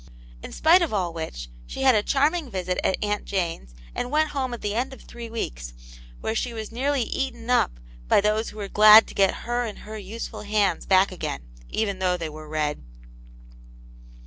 In spite of all which, she had a charm ing visit at Aunt Jane's, and went home at the end of three weeks, where she was nearly eaten up by those who were glad to get her and her useful hands back again, even though they were red.